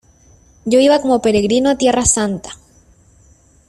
yo iba como peregrino a Tierra Santa.